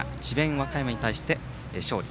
和歌山に対して勝利。